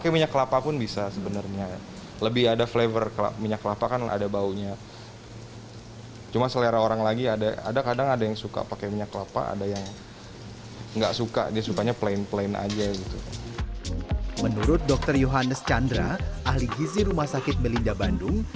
menurut dokter yohanes chandra ahli gizi rumah sakit belinda bandung